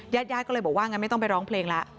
ญาติก็เลยบอกว่าไม่ต้องไปร้องเพลงล่ะ